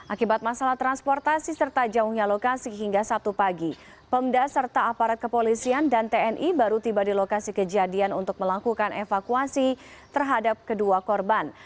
akibat masalah transportasi serta jauhnya lokasi hingga sabtu pagi pemda serta aparat kepolisian dan tni baru tiba di lokasi kejadian untuk melakukan evakuasi terhadap kedua korban